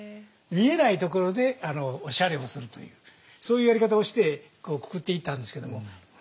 見えないところでおしゃれをするというそういうやり方をしてくぐっていったんですけども。